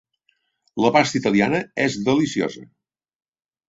La pasta italiana és deliciosa.